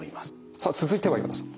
さあ続いては岩田さん。